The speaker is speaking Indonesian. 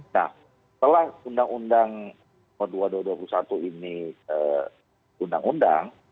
nah setelah undang undang nomor dua dua puluh satu ini undang undang